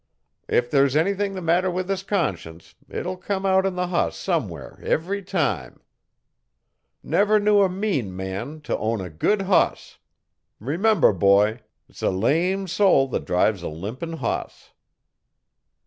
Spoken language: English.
If there's anything the matter with his conscience it'll come out in the hoss somewhere every time. Never knew a mean man t' own a good hoss. Remember, boy, 's a lame soul thet drives a limpin' hoss.'